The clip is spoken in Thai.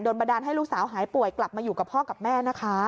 บันดาลให้ลูกสาวหายป่วยกลับมาอยู่กับพ่อกับแม่นะคะ